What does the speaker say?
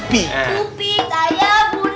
kupi saya bunuh